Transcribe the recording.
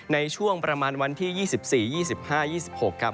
ในช่วงประมาณวันที่๒๔๒๕๒๖ครับ